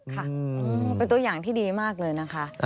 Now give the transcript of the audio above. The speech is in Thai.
ค่ะเป็นตัวอย่างที่ดีมากเลยนะคะ